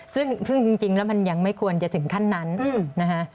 ซึ่งจริงแล้วมันยังไม่ควรจะถึงขั้นนั้นนะคะ